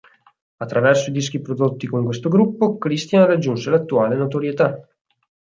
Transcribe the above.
Attraverso i dischi prodotti con questo gruppo, Cristian raggiunse l'attuale notorietà.